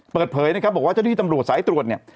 เปิดเผยนะครับบอกว่าเจ้าที่ตำรวจสายตรวจเนี่ย